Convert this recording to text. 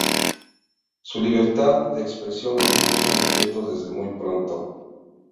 Su libertad de expresión lo puso en aprietos desde muy pronto.